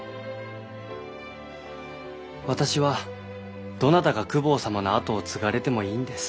私はどなたが公方様の跡を継がれてもいいんです。